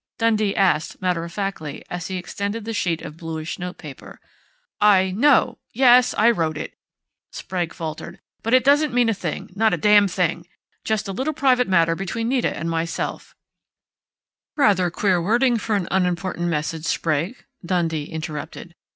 Dundee asked matter of factly, as he extended the sheet of bluish notepaper. "I no yes, I wrote it," Sprague faltered. "But it doesn't mean a thing not a damned thing! Just a little private matter between Nita and myself " "Rather queer wording for an unimportant message, Sprague," Dundee interrupted.